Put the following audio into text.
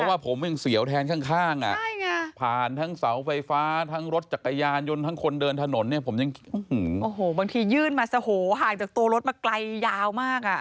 บางทียื่นมาสะโหห่างจากตัวรถมาไกลยาวมาก